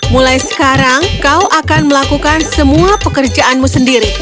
mulai sekarang kau akan melakukan semua pekerjaanmu sendiri